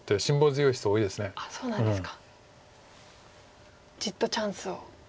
ああそうなんですか。